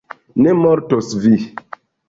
Ne mortos vi.